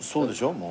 もう。